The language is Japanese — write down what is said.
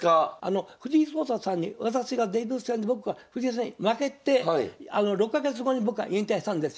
藤井聡太さんに私がデビュー戦で僕が藤井さんに負けて６か月後に僕は引退したんですよね。